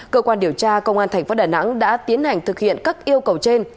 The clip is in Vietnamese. cơ quan điều tra công an tp đà nẵng đã tiến hành thực hiện các yêu cầu trên